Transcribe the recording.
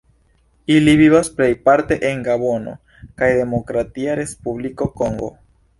Ili vivas plejparte en Gabono kaj Demokratia Respubliko Kongo.